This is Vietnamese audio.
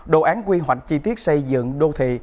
đồ án quy hoạch chi tiết xây dựng đô thị